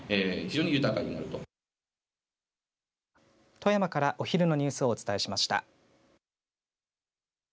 富山からお昼のニュースをお伝えしました。